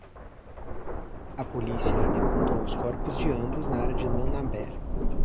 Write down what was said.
A polícia ainda encontrou os corpos de ambos na área de Llanaber.